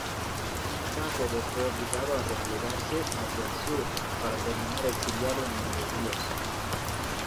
Cáceres fue obligado a replegarse hacia el sur, para terminar exiliado en Entre Ríos.